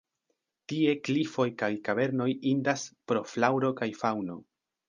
Tie klifoj kaj kavernoj indas pro flaŭro kaj faŭno.